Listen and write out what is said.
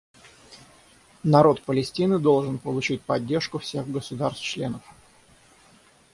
Народ Палестины должен получить поддержку всех государств-членов.